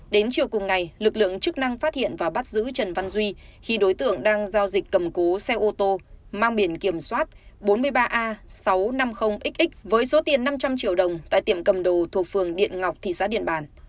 đến chiều cùng ngày lực lượng chức năng phát hiện và bắt giữ trần văn duy khi đối tượng đang giao dịch cầm cố xe ô tô mang biển kiểm soát bốn mươi ba a sáu trăm năm mươi x với số tiền năm trăm linh triệu đồng tại tiệm cầm đồ thuộc phường điện ngọc thị xã điện bàn